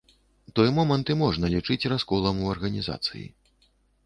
Той момант і можна лічыць расколам у арганізацыі.